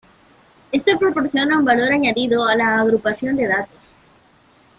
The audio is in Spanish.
Esto proporciona un valor añadido a la agrupación de datos.